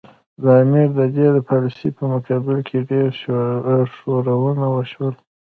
د امیر د دې پالیسي په مقابل کې ډېر ښورښونه وشول.